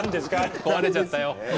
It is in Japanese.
壊れちゃったよ。